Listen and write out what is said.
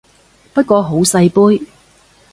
不過好細杯